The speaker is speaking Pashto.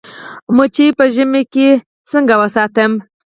مچۍ په ژمي کې څنګه وساتم؟